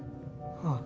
ああ。